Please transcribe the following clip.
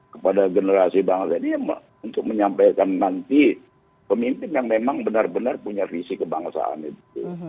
kepada generasi bangsa ini untuk menyampaikan nanti pemimpin yang memang benar benar punya visi kebangsaan itu